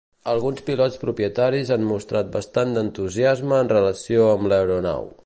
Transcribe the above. Alguns pilots propietaris han mostrat bastant d'entusiasme en relació amb l'aeronau.